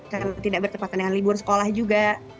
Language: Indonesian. karena tidak berkepatan dengan libur sekolah juga